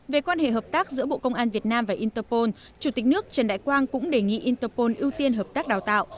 về quan hệ hợp tác giữa bộ công an việt nam và interpol chủ tịch nước trần đại quang cũng đề nghị interpol ưu tiên hợp tác đào tạo